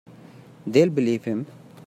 They'll believe him.